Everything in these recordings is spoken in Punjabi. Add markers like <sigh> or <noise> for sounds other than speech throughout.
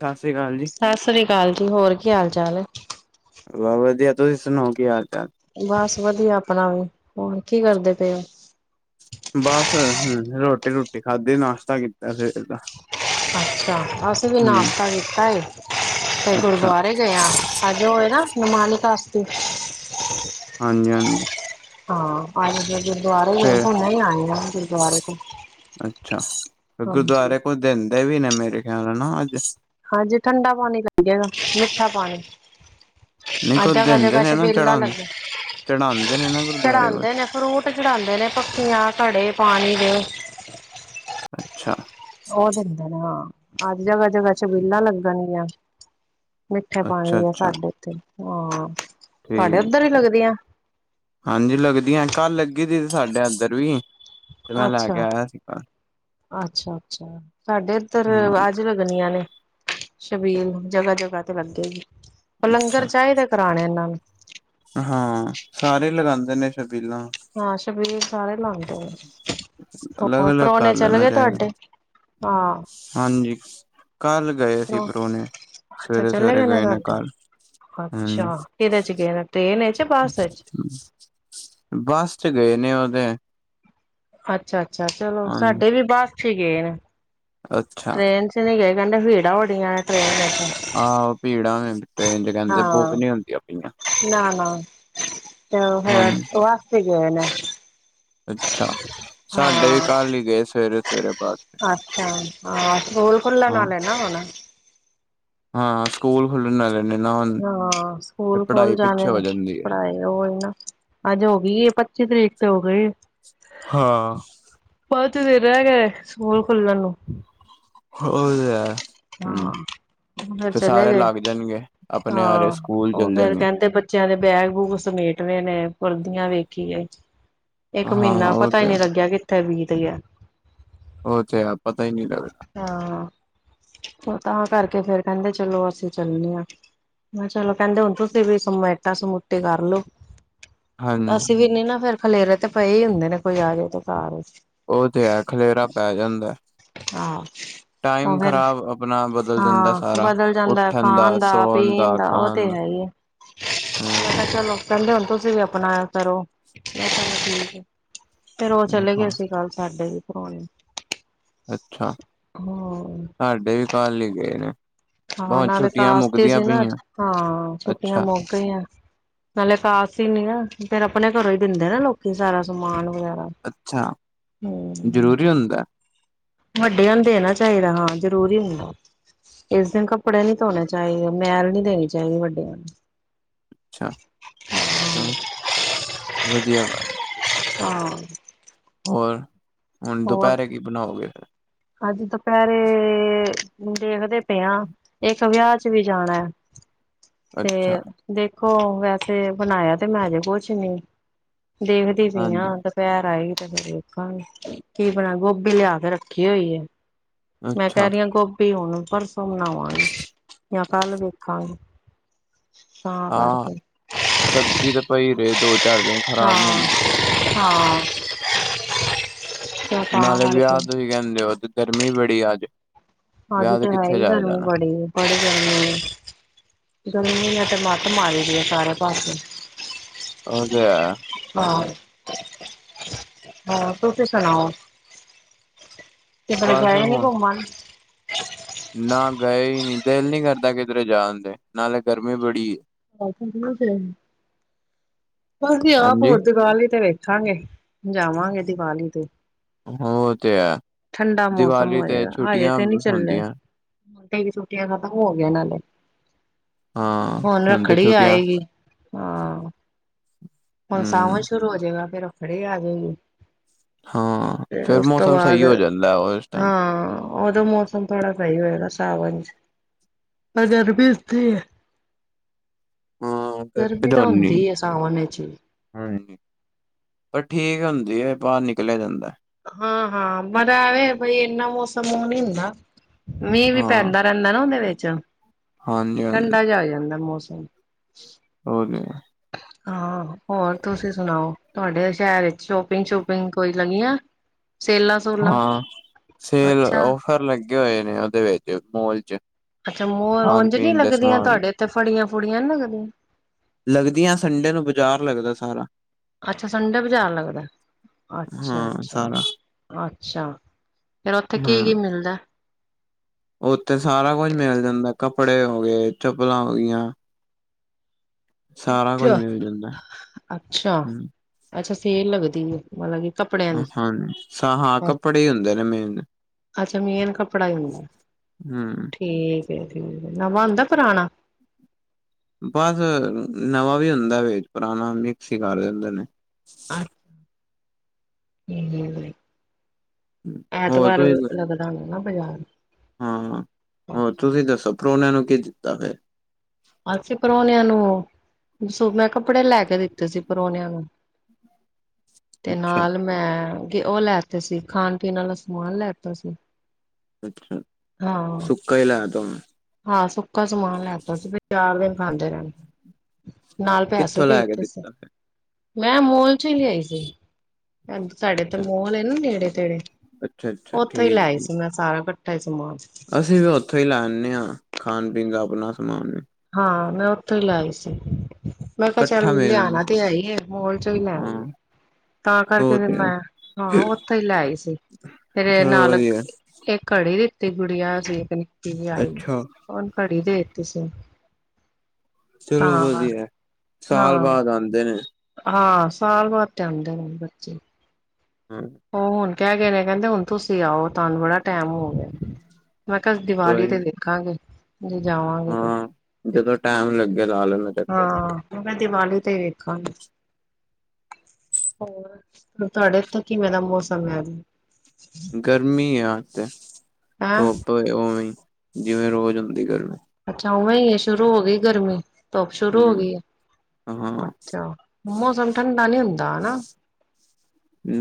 ਸਤਿ ਸ਼੍ਰੀ ਅਕਾਲ ਜੀ। ਸਤਿ ਸ੍ਰੀ ਅਕਾਲ ਜੀ ਹੋਰ ਕੀ ਹਾਲ ਚਾਲ ਐ। ਵ ਵਧੀਆ ਤੁਸੀਂ ਸੁਣਾ ਕੀ ਹਾਲ ਚਾਲ। ਬਸ ਵਧੀਆ ਆਪਣਾ ਵੀ ਹੋਰ ਕੀ ਕਰਦੇ ਪਏ ਓ। ਬਸ ਰੋਟੀ ਰੂਟੀ ਖਾਧੀ ਨਾਸ਼ਤਾ ਕੀਤਾ ਸਵੇਰੇ ਦਾ। ਅ ਅਸੀਂ ਵੀ ਹਮ ਨਾਸ਼ਤਾ ਕੀਤਾ ਏ ਤੇ ਅੱਛਾ ਗੁਰਦੁਆਰੇ ਗਏ ਆਂ ਅ ਜ ਓ ਏ ਨਾ ਨਿਮਾਣੀ ਕਾਸਤੀ ਹਾਂਜੀ-ਹਾਂਜੀ ਹਾਂ ਅੱਜ ਮੈਂ ਗੁਰਦੁਆਰੇ ਗਈ ਫੇਰ ਹੁਨੇ ਆਈ ਆਂ ਗੁਰਦੁਆਰੇ ਤੋਂ ਅੱਛਾ ਹਾਂਜੀ ਗੁਰਦੁਆਰੇ ਕੁਝ ਦਿੰਦੇ ਵੀ ਨੇ ਮੇਰੇ ਖਿਆਲ ਨਾ ਅੱਜ ਹਾਂਜੀ ਠੰਡਾ ਪਾਣੀ ਪਿਆਂਦੇ ਨੇ ਮਿੱਠਾ ਪਾਣੀ ਨਹੀਂ ਅੱਜ ਕੁਝ ਦਿੰਦੇ ਜਗਾ-ਜਗਾ ਨੇ ਨਾ ਛਬੀਲਾ ਚੜਾ ਲੱਗਣ ਚੜਾਉਂਦੇ ਨੇ ਨਾ ਗੁਰਦੁਆਰੇ ਕੋਲ ਚੜਾਂਦੇ ਨੇ। ਫਰੂਟ ਚੜਾਂਦੇ ਨੇ ਪੱਖੀਆਂ, ਘੜੇ ਪਾਣੀ ਦੇ। ਅੱਛਾ ਓ ਦਿੰਦੇ ਨੇ ਹਾਂ ਅੱਜ ਜਗ੍ਹਾ ਜਗ੍ਹਾ ਛਬੀਲਾਂ ਲੱਗਣਗੀਆਂ। ਮਿੱਠੇ ਪਾਣੀ ਅੱਛਾ ਦੀਆਂ ਅੱਛਾ ਸਾਡੇ ਇੱਥੇ ਹਾਂ। ਤੁਹਾਡੇ ਉੱਧਰ ਹੀ ਠੀਕ ਲੱਗਦੀਆਂ ਹਾਂਜੀ ਲੱਗਦੀਆਂ ਕਲ ਲੱਗੀ ਦੀ ਸੀ ਸਾਡੇ ਅੰਦਰ ਵੀ ਤੇ ਮੈਂ ਲੈ ਕੇ ਆਇਆ ਸੀ ਘਰ ਅੱਛਾ-ਅੱਛਾ-ਅੱਛਾ ਸਾਡੇ ਇੱਧਰ ਹਾਂ ਅੱਜ ਲੱਗ ਵਧੀਆ ਨੇ ਛਬੀਲ ਜਗ੍ਹਾ-ਜਗ੍ਹਾ ਤੇ ਲੱਗੇਗੀ ਲੰਗਰ ਅੱਛਾ ਚਾਈਦਾ। ਖਾਣਾ ਇਨਾਂ ਨੇ। ਹਾਂ ਸਾਰੇ ਲਗਾਂਦੇ ਨੇ ਛਬੀਲਾਂ ਹਾਂ ਛਬੀਲ ਸਾਰੇ ਲਾਂਦੇ ਨੇ ਅਲੱਗ ਹੋਰ ਅਲੱਗ ਪਰੋਨੇ ਕਰ ਚਲੇ ਲੈਣਾ ਗਏ ਚਾਹੀਦਾ ਤੁਹਾਡੇ ਹਾਂ ਹਾਂਜੀ ਕੱਲ ਗਏ ਸੀ ਪਰਾਉਣੇ ਅੱਛਾ ਚਲੇ ਸਵੇਰੇ-ਸਵੇਰੇ ਗਏ ਨੇ ਤੁਹਾਡੇ ਕੱਲ੍ਹ ਅੱਛਾ ਕਿਹਦੇ ਚ ਗਏ ਨੇ ਟ੍ਰੇਨ ਵਿਚ ਬੱਸ ਵਿਚ <inaudible> ਬੱਸ 'ਚ ਗਏ ਨੇ ਓ ਤੇ ਅੱਛਾ-ਅੱਛਾ ਚਲੋ ਹਾਂਜੀ ਸਾਡੇ ਵੀ ਬੱਸ 'ਚ ਗਏ ਨੇ ਅੱਛਾ ਟ੍ਰੇਨ ਨਈ ਗਏ ਕੈਂਦੇ ਭੀੜਾਂ ਹੋਣੀਆ ਨੇ ਟ੍ਰੇਨ 'ਚ ਆਹੋ ਭੀੜਾਂ ਨੇ। ਟ੍ਰੇਨ ਚ ਕਹਿੰਦੇ ਬੁੱਕ ਹਾਂ ਨੀ ਹੁੰਦੀਆਂ ਪਈਆਂ ਨਾ-ਨਾ <unintelligible> ਠੀਕ ਹਾਂਜੀ ਹੈ ਹਨਾ। ਅੱਛਾ ਸਾਡੇ ਵੀ ਹਾਂ ਕੱਲ ਹੀ ਗੇ ਸਵੇਰੇ-ਸਵੇਰੇ। ਅੱਛਾ ਹਾਂ ਸਕੂਲ ਖੁੱਲਣ ਹਾਂ ਆਲੈ ਨੇ ਹੁਣ। ਹਾਂ ਸਕੂਲ ਖੁੱਲਨ ਆਲੇ ਹਾਂ ਸਕੂਲ ਖੋਲ ਜਾਨੇ ਪਿੱਛੇ ਹੋ ਨੇ ਜਾਂਦੀ ਹੈ ਪੜ੍ਹਾਈ ਔ ਹੀ ਨਾ, ਅੱਜ ਹੋ ਗੀ ਏ ਪੱਚੀ ਤਰੀਕ ਤੇ ਹੋ ਗਈ ਏ। ਹਾਂ। ਪੰਜ ਦਿਨ ਰਹ ਗੇ ਸਕੂਲ ਖੁਲਣ ਨੂੰ। ਓ ਤੇ ਹੈ। ਹਮ ਹਾਂ ਫੇਰ ਫਿਰ ਚਲੇ ਸਾਰੇ ਗਏ ਲੱਗ ਜਾਣਗੇ ਆਪਣੇ ਆਰੇ ਹਾਂ ਸਕੂਲ ਉਹ ਚਲ ਫੇਰ ਜਾਣਗੇ ਕਹਿੰਦੇ ਬੱਚਿਆਂ ਦੇ ਬੈਗ-ਬੂਗ ਸਮੇਟਨੇ ਨੇ ਵਰਦੀਆਂ ਵੇਖੀਏ। ਏਕ ਹਾਂ ਮਹੀਨਾ ਉਹ ਪਤਾ ਹੀ ਤੇ ਨੀ ਲੱਗਿਆ ਕਿੱਥੇ ਬੀਤ ਗਿਆ। ਔ ਤੇ ਹੈ ਪਤਾ ਹੀ ਨਈ ਲੱਗਦਾ। ਹਾਂ ਤੇ ਤਾਂ ਕਰਕੇ ਫੇਰ ਕਹਿੰਦੇ ਚਲੋ ਅਸੀਂ ਚੱਲਨੇ ਆ। ਮੈਂ ਚਲੋ ਕਹਿੰਦੇ ਹੁਣ ਤੁਸੀ ਵੀ ਸਮੇਟਾ-ਸਮੂਟੀ ਕਰਲੋ। ਹਾਂਜੀ ਅਸੀਂ ਵੀ ਨੀ ਨਾ ਫੇਰ ਖਲੇਰੇ ਤੇ ਪਏ ਹੀ ਹੁੰਦੇ ਨੇ ਕੋਈ ਆ ਜਾਏ ਤੇ ਕਾਰ। ਔ ਤੇ ਹੈ ਖਲੇਰਾ ਪੈ ਜਾਂਦਾ। ਹਾਂ। ਉਹ ਟਾਈਮ ਫੇਰ ਖ਼ਰਾਬ ਆਪਣਾ ਬਦਲ ਜਾਂਦਾ ਹਾਂ ਸਾਰਾ। ਬਦਲ ਜਾਂਦਾ ਉੱਠਣ ਖਾਨ ਦਾ, ਸੌਣ ਪੀਨ ਦਾ ਓ ਤੇ ਖਾਣ ਹੈ ਏ ਮੈਂ ਹੂੰ ਕਿਹਾ ਚੱਲੋ ਕਹਿੰਦੇ ਹੁਣ ਤੁਸੀਂ ਵੀ ਆਪਣਾ ਏਹ ਕਰੋ <unintelligible> ਠੀਕ ਐ ਫੇਰ ਉਹ ਚਲੇ ਗਏ ਸੀ ਕੱਲ। ਸਾਡੇ ਵੀ ਪਰੋਣੇ ਅੱਛਾ। ਹਾਂ। ਸਾਡੇ ਵੀ ਕੱਲ ਹੀ ਗਏ ਨੇ। ਹਾਂ ਬਹੁਤ ਨਾਲੇ ਛੁੱਟੀਆਂ ਕਾਸਤੀ ਮੁੱਕਦੀਆਂ ਸੀ ਨਾ ਅੱਜ, ਪਈਆਂ ਹਾਂ ਛੁੱਟੀਆਂ ਅੱਛਾ। ਮੋਕ ਗਈਆਂ। ਨਾਲੇ ਕਾਸਤੀ ਨੀ ਆ ਫੇਰ ਆਪਣੇ ਘਰੋਂ ਹੀ ਦਿੰਦੇ ਨਾ ਲੋਕੀ ਸਾਰਾ ਸਮਾਨ ਵਗੈਰਾ। ਅੱਛਾ ਹਮ ਜ਼ਰੂਰੀ ਹੁੰਦਾ? ਵੱਡਿਆਂ ਨੂੰ ਦੇਣਾ ਚਾਹੀਦਾ ਹਾਂ ਜ਼ਰੂਰੀ ਹੁੰਦਾ। ਇਸ ਦਿਨ ਕੱਪੜੇ ਨੀ ਧੋਣੇ ਚਾਹੀਦੇ, ਮੈਲ ਨਹੀਂ ਦੇਣੀ ਚਾਹੀਦੀ ਵੱਡਿਆਂ ਨੂੰ। ਅੱਛਾ, ਚੱਲ ਵਧੀਆ ਗੱਲ। ਆ ਹੋਰ ਹੁਣ ਹੋਰ ਦੁਪਹਿਰੇ ਕੀ ਬਨਾਓਗੇ? ਅੱਜ ਦੁਪਹਿਰੇ ਦੇਖਦੇ ਪਏ ਆ। ਏਕ ਵਿਆਹ ਚ ਵੀ ਜਾਣਾ ਫਿਰ ਤੇ ਅੱਛਾ ਦੇਖੋ ਵੈਸੇ ਬਣਾਇਆ ਤੇ ਮੈਂ ਹਜੇ ਕੁਛ ਨੀ ਦੇਖਦੀ ਪੀ ਆ ਹਾਂਜੀ। ਪੈਰ ਆਏਗੀ ਤੇ ਫੇਰ ਵੇਖਾਗੀ ਕੀ ਬਣਾ ਗੋਭੀ ਲਿਆ ਕੇ ਰੱਖੀ ਹੋਈ ਏ। ਮੈਂ ਕਹਿ ਅੱਛਾ ਰੀ ਆ ਗੋਭੀ ਹੁਣ ਪਰ ਸੋਂ ਬਣਾਵਾਂਗੀ ਯਾ ਕੱਲ ਵੇਖਾਂਗੀ। ਤਾਂ ਹਾਂ ਕਰਕੇ। ਸਬਜ਼ੀ ਤੇ ਪਈ ਰਏ ਦੋ, ਚਾਰ ਦਿਨ। ਖ਼ਰਾਬ ਨੀ ਹੁੰਦੀ। ਹਾਂ-ਹਾਂ ਨਾਲੇ ਵਿਆਹ ਤੁਹੀ ਕਹਿੰਦੇ ਹੋ ਤੇ ਗਰਮੀ ਬੜੀ ਏ ਅੱਜ। ਅਜ ਵਿਆਹ ਤੇ ਹੈ ਕਿੱਥੇ ਹੀ ਜਾਇਆ ਗਰਮੀ ਜਾਣਾ ਬੜੀ ਏ ਬੜੀ ਗਰਮੀ ਏ। ਗਰਮੀ ਨੇ ਤੇ ਮੱਤ ਮਾਰੀ ਦੀ ਏ ਸਾਰੇ ਪਾਸੇ। ਉਹ ਤੇ ਹੈ ਹਾਂ ਹੋਰ ਤੁਸੀ ਸੁਣਾਓ? ਕਿਧਰੇ ਬਸ ਗਏ ਨੀ ਹੁਣ ਘੁੰਮਣ? ਨਾ ਗਏ ਈ ਨੀ। ਦਿਲ ਨੀ ਕਰਦਾ ਕਿਧਰੇ ਜਾਨ ਤੇ ਨਾਲੇ ਗਰਮੀ ਬੜੀ ਏ। <unintelligible> ਬਸ ਜੀ ਆਪ ਹਾਂਜੀ ਹੋਰ ਦੀਵਾਲੀ ਤੇ ਵੇਖਾਂਗੇ। ਜਾਵਾਂਗੇ ਦੀਵਾਲੀ ਤੇ। ਉਹ ਤੇ ਹੈ ਠੰਡਾ ਮੌਸਮ ਦੀਵਾਲੀ ਤੇ ਹੋਏਗਾ, ਹਜੇ ਛੁੱਟੀਆਂ ਤੇ ਨੀ ਚੱਲੇ। ਹੁੰਦੀਆਂ ਕਈ ਦੀ ਛੁੱਟੀਆਂ ਖਤਮ ਹੋ ਗਿਆ ਨਾਲੇ। ਹਾਂ, ਹੁਨ ਤੇ ਛੁਟੀਆਂ ਨੇ, ਹਾਂ। ਹੁਨ ਹਮ ਸਾਵਨ ਸ਼ੁਰੂ ਹੋ ਜੇਗਾ, ਫੇਰ ਰੱਖੜੀ ਆ ਜੇਗੀ। ਹਾਂ ਫੇਰ ਉਸ ਤੋਂ ਮੌਸਮ ਬਾਦ, ਸਹੀ ਹੋ ਜਾਂਦਾ ਉਸ ਟਾਈਮ ਹਾਂ ਓਦੋਂ ਮੌਸਮ ਥੋੜਾ ਸਈ ਹੋਏਗਾ ਸਾਵਨ ਚ, ਪਰ ਗਰਮੀ ਉਥੇ ਈ ਐ। ਗਰਮੀ ਤਾਂ ਹੁੰਦੀ ਏ ਸਾਵਨ ਚ ਵੀ। ਹਾਂਜੀ, ਪਰ ਠੀਕ ਹੁੰਦੀ ਏ ਬਾਰ ਨਿਕਲਿਆ ਜਾਂਦੈ। ਹਾਂ - ਹਾਂ, ਪਰ ਐ ਵੇ ਬਈ ਇੰਨਾ ਮੌਸਮ ਓ ਨੀ ਹੁੰਦਾ ਮੀਂ ਵੀ ਹਾਂ ਪੈਂਦਾ ਰੈਂਦੈ ਨਾ ਉਦੇ ਵਿੱਚ, ਹਾਂਜੀ ਹਾਂਜੀ ਠੰਡਾ ਜਿਆ ਹੋ ਜਾਂਦੈ ਮੌਸਮ। <unintelligible> ਹਾਂ, ਹੋਰ ਤੁਸੀਂ ਸੁਣਾਓ? ਤੁਆਡੇ ਸ਼ੈਰ ਚ ਸ਼ੋਪਿੰਗ-ਸ਼ੂਪਿੰਗ ਕੋਈ ਲੱਗੀਆਂ ਸੇਲਾ - ਸੁਲਾ? ਹਾਂ ਸੇਲ, ਓਫਰ ਲੱਗੇ ਹੋਏ ਨੇ ਓਦੇ ਵਿੱਚ ਮੋਲ ਚ। ਅੱਛਾ ਮੋਲ, ਖਾਣ ਉਂਜ ਨੀ ਪੀਣ ਦੇ ਲੱਗਦੀਆਂ ਸਮਾਨ ਤੁਆਡੇ ਇੱਥੇ ਫੜੀਆਂ - ਫੁੜੀਆਂ ਨੀ ਲੱਗਦੀਆਂ। ਲੱਗਦੀਆਂ, ਸੰਡੇ ਨੂੰ ਬਾਜ਼ਾਰ ਲੱਗਦਾ ਸਾਰਾ। ਅੱਛਾ ਸੰਡੇ ਬਜ਼ਾਰ ਲੱਗਦੈ, ਅੱਛਾ- ਹਾਂ ਅੱਛਾ- ਸਾਰਾ ਅੱਛਾ। ਫੇਰ ਓਥੇ ਕੀ- ਕੀ ਮਿਲਦੈ? ਓਥੇ ਸਾਰਾ ਕੁਝ ਮਿਲ ਜਾਂਦੈ, ਕੱਪੜੇ ਹੋ ਗੇ, ਚੱਪਲਾਂ ਹੋ ਗਈਆਂ। ਸਾਰਾ ਕੁੱਝ ਮਿਲ ਜਾਂਦਾ ਅੱਛਾ- ਅੱਛਾ, ਹੂੰ ਅੱਛਾ ਸੇਲ ਲੱਗਦੀ ਏ ਮਤਲਬ ਕਿ ਕੱਪੜੇ ਅ ਹਾਂਜੀ, ਸ ਹਾ ਕੱਪੜੇ ਈ ਹੁੰਦੇ ਨੇ ਮੇਨ। ਅੱਛਾ ਮੇਨ ਕੱਪੜਾ ਈ ਹੁੰਦੈ, ਹੂੰ ਠੀਕ ਏ ਠੀਕ ਏ, ਨਵਾ ਹੁੰਦੈ ਪੁਰਾਣਾ? ਬਸ ਨਵਾਂ ਵੀ ਹੁੰਦਾ ਵੇ ਪੁਰਾਣਾ ਮਿਕਸ ਈ ਕਰਦੇ ਦੇਂਦੇ ਨੇ। ਅ <unintelligible> ਹੋਰ ਐਤਵਾਰ ਤੁਸੀਂ ਲਗ <unintelligible> ਬਜਾਰ। ਹਾਂ, ਹੋਰ ਤੁਸੀਂ ਦੱਸੋ ਪ੍ਰੋਨਿਆਂ ਨੂੰ ਕੀ ਦਿੱਤਾ ਫੇਰ? ਅਸੀਂ ਪ੍ਰੋਨਿਆਂ ਨੂੰ ਸੁੱਖ ਨਾਲ ਕੱਪੜੇ ਲੈ ਕੇ ਦਿੱਤੇ ਸੀ ਪ੍ਰੋਨਿਆਂ ਨੂੰ। ਤੇ ਅੱਛਾ ਨਾਲ ਮੈਂ ਤੇ ਓ ਲੈ ਤੇ ਸੀ ਖਾਨ- ਪੀਨ ਆਲਾ ਸਮਾਨ ਲੈ ਤਾ ਸੀ। ਅੱਛਾ, ਹਾਂ ਸੁੱਕਾ ਈ ਲੈ ਤਾ ਉ ਹਾਂ ਸੁੱਕਾ ਸਮਾਨ ਲੈ ਤਾ ਸੀ ਬਈ ਚਾਰ ਦਿਨ ਖਾਂਦੇ ਰੈਣ, ਨਾਲ ਪੈਸੇ ਕਿੱਥੋਂ ਦੇ ਲੈ ਕੇ ਤੇ ਸੀ। ਦਿੱਤਾ ਫਿਰ? ਮੈਂ ਮੋਲ ਚੋ ਈ ਲਿਆਈ ਸੀ, ਅ - ਸਾਡੇ ਤਾਂ ਅੱਛਾ ਮੋਲ ਏ ਨਾ ਨੇੜੇ- ਤੇੜੇ ਅੱਛਾ ਅੱਛਾ ਓਥੇ ਈ ਲੈ ਠੀਕ ਆਈ ਠੀਕ ਸੀ ਮੈਂ ਸਾਰਾ ਕੱਠਾ ਈ ਸਮਾਨ। ਅਸੀਂ ਵੀ ਓਥੋ ਈ ਲੈ ਆਨੇ ਆ ਖਾਨ - ਪੀਨ ਦਾ ਅਪਨਾਂ ਸਮਾਨ। ਹਾਂ, ਮੈਂ ਉੱਥੋ ਈ ਲੈ ਆਈ ਸੀ। ਮੈਂ ਕਿਆ ਚੱਲ ਇਕੱਠਾ ਮਿਲ ਲਿਆਣਾ ਤੇ ਹੈ ਈ ਏ ਮੋਲ ਚੋ ਈ ਲੈ ਹਾਂ ਆਈਏ। ਤਾਂ ਕਰਕੇ ਉਹ ਫੇਰ ਤੇ ਹੈ, ਮੈਂ, ਹਾਂ ਉੱਥੋ ਈ ਲੈ ਆਈ ਸੀ ਤੇ ਚਲੋ ਨਾਲ ਵਧੀਆ ਏਕ ਘੜੀ ਦਿੱਤੀ ਗੁੜੀਆ ਸੀ ਏਕ ਨਿੱਕੀ ਜੀ ਆਈ, ਅੱਛਾ ਓਨ ਘੜੀ ਦੇ ਤੀ ਸੀ। ਚਲੋ ਤਾਂ ਵਦੀਐ, ਸਾਲ ਹਾਂ ਬਾਦ ਆਂਦੇ ਨੇ। ਹਾਂ, ਸਾਲ ਬਾਦ ਤੇ ਆਂਦੇ ਨੇ ਬੱਚੇ। ਹੁ ਉਹ ਹੁਣ ਕਹਿ ਗਏ ਨੇ ਕਹਿੰਦੇ ਹੁਣ ਤੁਸੀਂ ਆਓ ਤੁਹਾਨੂੰ ਬੜਾ ਟੈਮ ਹੋ ਗਿਆ ਮੈਂ ਕਿਹਾ ਦੀਵਾਲੀ ਕੋਈ ਤੇ ਵੇਖਾਂਗੇ ਜੇ ਜਾਵਾਂਗੇ ਹਾਂ ਜਦੋਂ ਟਾਈਮ ਲੱਗਿਆ ਲਾ ਲਣਾ ਹਾਂ ਮੈਂ ਦੀਵਾਲੀ ਤੇ ਹੀ ਵੇਖਾਂ ਹੋ ਤੁਹਾਡੇ ੳਥੇ ਕਿਵੇਂ ਦਾ ਮੌਸਮ ਹੈ ਗਰਮੀ ਆੱ ਇਥੇ ਹੈਂ ਧੁੱਪ ਉਵੇਂ ਜਿਵੇਂ ਰੋਜ਼ ਹੁੰਦੀ ਗਰਮੀ ਅੱਛਾ ਉਵੇਂ ਹੈ ਸ਼ੁਰੂ ਹੋ ਗਈ, ਗਰਮੀ ਧੁਪ ਸ਼ੁਰੂ ਹੋ ਗਈ ਹਮ ਹੈ ਹਾਂ ਅੱਛਾ ਮੌਸਮ ਠੰਡਾ ਨੀ ਹੁੰਦਾ ਹਨਾ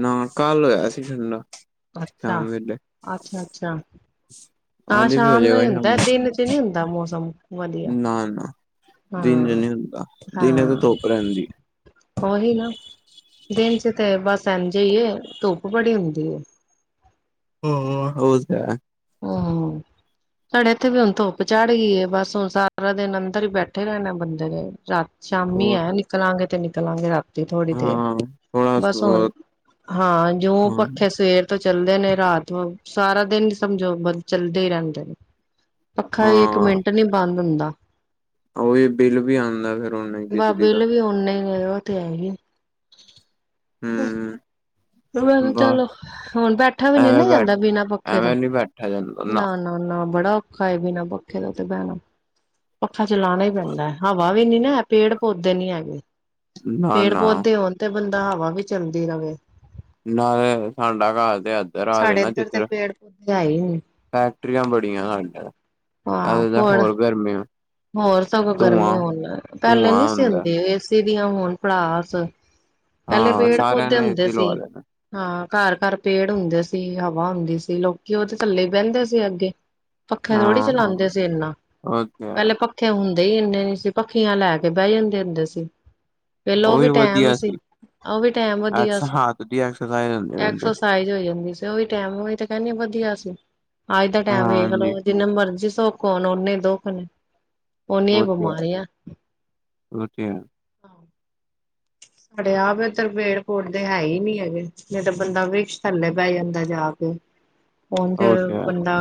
ਨਾ ਕਲ ਹੋਇਆ ਸੀ ਠੰਡਾ ਅੱਛਾ- ਅੱਛਾ -ਅੱਛਾ। ਅ <inaudible> ਹਾ ਸ਼ਾਮ ਨੂੰ ਹੀ ਹੁੰਦਾ ਦਿਨ ਚ ਨਹੀਂ ਹੁੰਦਾ ਮੌਸਮ ਵਧੀਆ ਨਾ ਨਾ ਦਿਨ ਹਾਂ ਨਹੀਂ ਹੁੰਦਾ ਹਾਂ ਦਿਨ ਤੇ ਧੁੱਪ ਰਹਿੰਦੀ ਉਹੀ ਨਾ ਦਿਨ ਚ ਤੇ ਬਸ ਇੰਝੇ ਹੀ ਹੈ, ਧੁੱਪ ਬੜੀ ਹੁੰਦੀ ਹਮ ਹਦਾ <inaudible> ਹੋ -ਹੋ ਸਾਡੇ ਇੱਥੇ ਵੀ ਹੁਣ ਧੁੱਪ ਚੜ੍ਹ ਗਈ ਏ, ਬਸ ਹੁਣ ਸਾਰਾ ਦਿਨ ਅੰਦਰ ਹੀ ਬੈਠੇ ਰਹਿਣੇ ਬੰਦੇ ਨੇ ਰਾਤ ਸ਼ਾਮੀ ਉਹ ਹੈ ਨਿਕਲਾਂਗੇ ਤੇ ਨਿਕਲਾਂਗੇ ਥੋੜ੍ਹੀ ਦੇਰ ਹਾਂ ਥੋੜਾ ਬਸ ਹੁਣ ਹਾਂ, ਜਿਉ ਹਾਂ ਪੱਖੇ ਸਵੇਰ ਤੋਂ ਚੱਲਦੇ ਨੇ ਰਾਤ ਸਾਰਾ ਦਿਨ ਸਮਝੋ ਚੱਲਦੇ ਹੀ ਰਹਿੰਦੇ ਨੇ ਪੱਖਾ ਹੀ ਇੱਕ ਹਾਂ ਮਿੰਟ ਨੀ ਬੰਦ ਹੁੰਦਾ ਉਹੀ ਬਿੱਲ ਵੀ ਆਉਂਦਾ ਫਿਰ ਨਾ ਹੀ ਬਿਜਲੀ ਦਾ ਉਨੇ ਨਲ ਬਤ ਤੇ ਹੈ ਹੀਏ ਹਿ -ਹੀ ਚਲੋ ਹੁਣ ਬੈਠਾ ਵੀ ਨੀ ਐਵੇਂ ਨਾ ਬੈਠ ਜਾਂਦਾ, ਬਿਨਾਂ ਪੱਖੇ ਤੋਂ ਐਵੇਂ ਨੀ ਬੈਠਾ ਜਾਂਦਾ ਨਾ- ਨਾ ਨਾ ਬੜਾ ਔਖਾ ਏ ਬਿਨਾ ਪੱਖੇ ਦਾ ਤੇ ਬੈਣਾ ਪੱਖਾ ਚਲਾਉਣਾ ਹੀ ਪੈਂਦਾ ਹਵਾ ਵੀ ਨੀ ਨਾ ਪੇੜ ਪੌਦੇ ਨੀ ਹੈਗੇ ਨਾ ਪੇੜ ਨਾ ਪੌਦੇ ਹੋਣ ਤੇ ਬੰਦਾ ਹਵਾ ਵੀ ਚੱਲਦੀ ਰਹੇ ਨਾਲੇ ਸਾਡਾ ਘਰ ਤੇ ਅੱਜ ਸਾਡੇ ਇੱਧਰ ਤੇ ਪੇੜ ਪੌਦੇੇ ਹੈ ਨੀ ਫੈਕਟਰੀਆਂ ਬੜੀਆਂ ਇਧਰ ਹਾਂ ਅਜੇ ਤਾਂ ਹੁਣ ਹੋਰ ਗਰਮੀ ਹੋਰ ਸਗੋਂ ਧੂੰਆਂ ਗਰਮੀ ਹੋਣ ਲਗ ਪਹਿਲੇ ਨੀ ਧੂੰਆਂ ਸੀ, ਹੁੰਦਾ ਹੁੰਦੀ ਏਸੀ ਹੋਣ ਭੜਾਸ ਪਹਿਲੇ ਹਾਂ ਪੇੜ ਸਾਰਿਆਂ ਪੌਦੇ ਨੇ ਹੁੰਦੇ ਏਸੀ ਸੀ ਲਵਾ ਲੈਣਾ ਹਾਂ ਘਰ- ਘਰ ਪੇੜ ਹੁੰਦੇ ਸੀ, ਹਵਾ ਹੁੰਦੀ ਸੀ, ਲੋਕੀ ਉਹਦੇ ਥੱਲੇ ਹੀ ਬਹਿੰਦੇ ਸੀ ਅੱਗੇ ਪੱਖੇ ਥੋੜ੍ਹੀ ਚਲਾਉਂਦੇ ਸੀ ਇਨਾ ਓਕੇ ਪਹਿਲੇ ਪੱਖੇ ਹੁੰਦੇ ਹੀ ਇੰਨੇ ਨੀ ਸੀ, ਪੱਖੀਆਂ ਲੈ ਕੇ ਬਹਿ ਜਾਂਦੇ ਹੁੰਦੇ ਸੀ ਪਹਿਲਾਂ ਉਹ ਵੀ ਟੈਮ ਸੀ ਉਹ ਵੀ ਟੈਮ ਵਧੀਆ ਸੀ ਚ ਜਾਂਦੇ ਐਕਸਰਸਾਈਜ਼ ਹੋ ਜਾਂਦੀ ਸੀ, ਉਹੀ ਟੈਮ ਉਹੀ ਤੇ ਕਹਿੰਦੀ ਵਧੀਆ ਸੀ। ਅੱਜ ਦਾ ਟਾਈਮ ਵੇਖ ਹਾਂਜੀ ਲਓ, ਜਿੰਨੇ ਮਰਜ਼ੀ ਸੁੱਖ ਹੋਣ ਓਨੇ ਦੁੱਖ ਨੇ ਉਨੀ ਆ ਬਿਮਾਰੀਆਂ ਹੋਥੇਆ ਸਾਡੇ ਆਪ ਤਬੇਰ ਕੋਟ ਦੇ ਹੈ ਹੀ ਨੀ ਹੈਗੇ ਨਹੀਂ ਤਾਂ ਬੰਦਾ ਵਿਸ਼ ਥੱਲੇ ਪੈ ਜਾਂਦਾ ਜਾ ਕੇ <inaudible> ਉੰਝ ਉਹ ਤੇ ਹੈ ਬੰਦਾ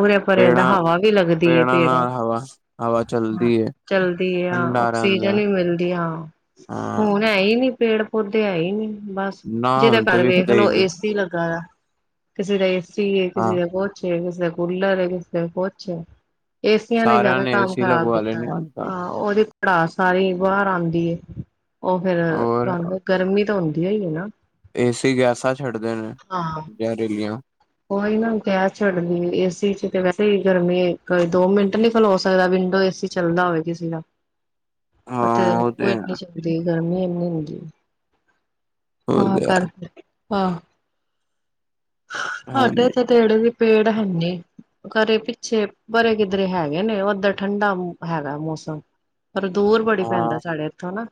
ਉਰੇ ਪਰੇ ਪੇੜਾਂ ਹਵਾ ਵੀ ਲੱਗਦੀ ਹੈ। ਪੇੜਾਂ ਫਿਰ ਨਾਲ ਹਵਾ ਹਵਾ ਚੱਲਦੀ ਹੈ ਚਲਦੀ ਹਾਂ ਠੰਡਾ ਆਕਸੀਜਨ ਰਹਿੰਦਾ ਵੀ ਮਿਲਦੀ ਹਾਂ। ਹਾਂ ਹੁਣ ਹੈ ਹੀ ਨੀ ਪੇੜ ਪੌਦੇ ਹੈ ਹੀ ਨੀ ਬਸ ਨਾ ਜਿਹਦੇ ਹੁਣ ਤੇ ਕਰ ਵੇਖ ਵਿਖਦੇ ਹੀ ਲਓ ਨੀ ਏਸੀ ਲੱਗਾ ਕਿਸੇ ਦਾ ਏਸੀ ਹੈ ਹਾਂ ਕਿਸੇ ਦੇ ਕੁਛ ਛੇ ਕਿਸੇ ਕੁਲਰ ਕਿਸੇ ਦੇ ਕੋਚ ਐ ਏਸੀਆਂ ਨੇ ਸਾਰਿਆਂ ਜਾਣਾ ਕੰਮ ਏਸੀ ਖ਼ਰਾਬ ਲਗਵਾ ਕੀਤਾ ਲੈਣੇ ਅੱਜ ਤਾਂ ਹਾਂ ਉਹਦੀ ਘਰ ਸਾਰੀ ਬਾਹਰ ਆਉਂਦੀ ਉਹ ਫਿਰ ਹੋਰ ਤੁਹਾਨੂੰ ਗਰਮੀ ਤਾਂ ਹੁੰਦੀ ਓ ਨਾ ਏਸੀ ਗੈਸਾਂ ਛੱਡਦੇ ਨੇ ਹਾਂ ਜਾਂ ਰੇਲੀਆਂ ਉਹੀ ਨਾ ਗੈਸ ਛੜਦੀ ਏਸੀ ਚ ਤੇ ਵੈਸੇ ਹੀ ਗਰਮੀ ਕੋਈ ਦੋ ਮਿੰਟ ਨੀ ਖਲੋ ਸਕਦਾ ਵਿੰਡੋ ਏਸੀ ਚ ਚੱਲਦਾ ਹੋਵੇ ਕਿਸੀ ਦਾ ਪਤਾ ਐ ਹਾਂ ਉਹ ਤੇ ਹੈ ਇੱਕ ਤਾਂ ਸੁੱਤੀ ਗਰਮੀ ਇਨੀ ਹੁੰਦੀ ਉਹ ਆ ਤੇ ਹੈ ਕਰ ਆ ਹਾਡੇ ਹਾਂਜੀ ਤੇੜੇ ਵੀ ਪੇੜ ਹੈਨੀ ਘਰੇ ਪਿੱਛੇ ਪਰੇ ਕਿੱਧਰੇ ਹੈਗੇ ਨੇ ਉੱਧਰ ਠੰਢਾ ਹੈਗਾ ਮੌਸਮ ਪਰ ਦੂਰ ਬੜੀ ਪੈਂਦਾ ਹਾਂ ਸਾਡੇ ਇੱਥੋਂ ਨਾ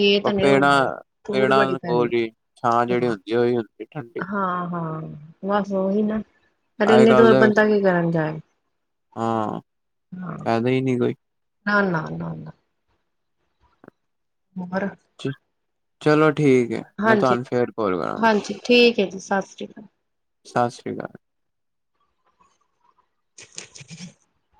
ਇਹ ਤਾਂ ਨੇ ਪੇੜਾਂ ਉਹਨਾਂ ਦੇ ਦੂਰ ਪੇੜਾਂ ਬੜੀ ਦੇ ਕੋਲ ਹੀ ਛਾਂ ਪੈਂਦਾ ਜਿਹੜੀ ਹੁੰਦੀ ਉਹੀ ਹੁੰਦੀ ਠੰਡੀ ਹਾਂ। ਹਾਂ ਬਸ ਉਹੀ ਨਾ ਸਾਡੇ ਅੱਜ ਇੰਨੇ ਕੱਲ ਦੂਰ ਦੇ ਬੰਦਾ ਕੀ ਕਰਨ ਜਾਏ ਹਾਂ। ਪਤਾ ਨਹੀਂ ਕੋਈ ਨਾ ਨਾ ਨਾ ਨਾ ਹੋਰ ਚਲੋ ਠੀਕ ਹੈ ਮੈਂ ਹਾਂਜੀ ਤੁਹਾਨੂੰ ਫਿਰ ਕੋਲ ਹਾਂਜੀ ਕਰਾਂਗਾ ਠੀਕ ਐ ਜੀ ਸਤਿ ਸ਼੍ਰੀ ਅਕਾਲ ਸਤਿ ਸ਼੍ਰੀ ਅਕਾਲ <inaudible>